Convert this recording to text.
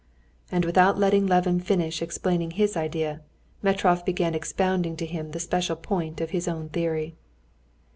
And without letting Levin finish explaining his idea, Metrov began expounding to him the special point of his own theory.